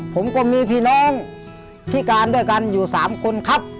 ผมก็มีพี่น้องพิการด้วยกันอยู่๓คนครับ